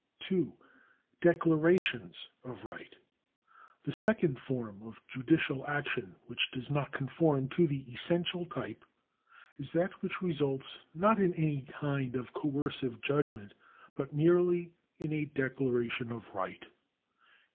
(2) Declarations of Right. — The second form of judicial action which does not conform to the essential type is that which results, not in any kind of coercive judgment, but merely in a declaration of right.